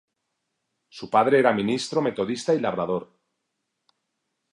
Su padre era ministro metodista y labrador.